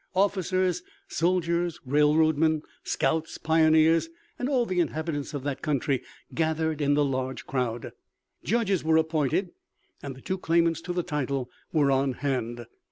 Officers, soldiers, railroadmen, scouts, pioneers, and all the inhabitants of that country gathered in a large crowd. Judges were appointed and the two claimants to the title were on hand.